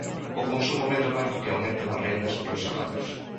O consumo medra máis do que aumentan as rendas e os salarios.